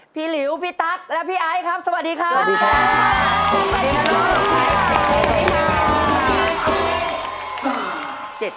หลิวพี่ตั๊กและพี่ไอซ์ครับสวัสดีครับ